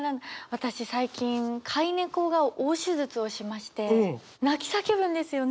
私最近飼い猫が大手術をしまして泣き叫ぶんですよ